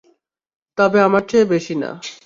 তবে আমার চেয়ে বেশি না।